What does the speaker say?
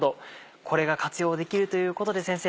これが活用できるということで先生